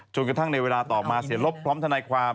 กระทั่งในเวลาต่อมาเสียลบพร้อมทนายความ